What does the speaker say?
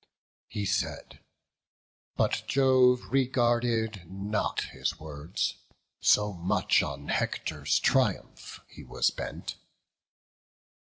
He said: but Jove regarded not his words; So much on Hector's triumph he was bent.